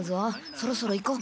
そろそろ行こう。